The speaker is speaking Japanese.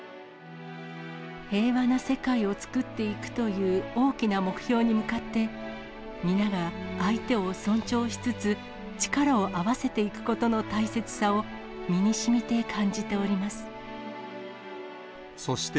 平和な世界を作っていくという大きな目標に向かって、皆が相手を尊重しつつ、力を合わせていくことの大切さを身にしみて感じております。